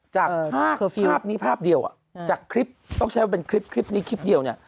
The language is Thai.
จากภาพนี้ภาพเดียวจากคลิปต้องใช้ว่าเป็นคลิปคลิปนี้คลิปเดียว